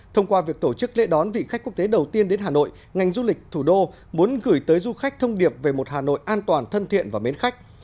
thông qua việc tổ chức lễ đón vị khách quốc tế đầu tiên đến hà nội ngành du lịch thủ đô muốn gửi tới du khách thông điệp về một hà nội an toàn thân thiện và mến khách